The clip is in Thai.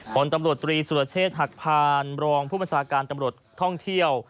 ผลตำรวจตรีสุรเชษฐ์หักพานรองผู้บัญชาการตำรวจท่องเที่ยว